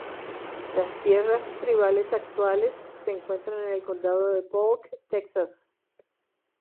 Las tierras tribales actuales se encuentra en el Condado de Polk, Texas.